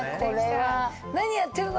「何やってるの！」